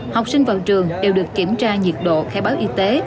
học sinh vào trường đều được kiểm tra nhiệt độ khai báo y tế